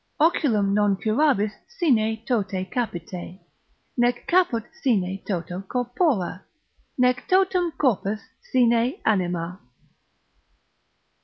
Oculum non curabis sine toto capite, Nec caput sine toto corpora, Nec totum corpus sine anima.